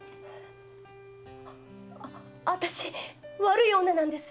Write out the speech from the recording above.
あたし悪い女なんです！